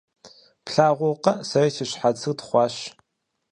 Плъагъуркъэ, сэри си щхьэцыр тхъуащ.